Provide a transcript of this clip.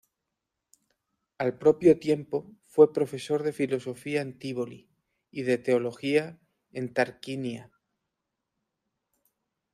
Al propio tiempo, fue profesor de Filosofía en Tívoli y de Teología en Tarquinia.